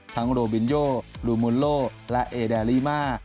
ทั้งโลบินโยลูมูลโลและเอเดรีมาร์